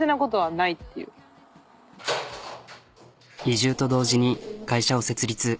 移住と同時に会社を設立。